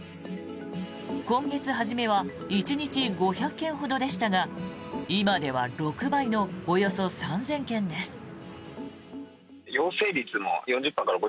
今月初めは１日５００件ほどでしたが今では６倍のおよそ３０００件です。